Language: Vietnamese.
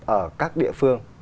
ở các địa phương